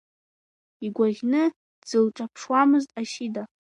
Игәаӷьны дзылҿаԥшуамызт Асида.